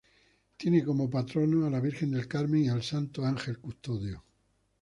Tiene como patronos a la Virgen del Carmen y al Santo Ángel Custodio.